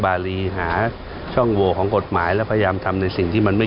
บารีหาช่องโหวของกฎหมายแล้วพยายามทำในสิ่งที่มันไม่